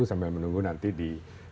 sambil menunggu nanti di kawasan sendiri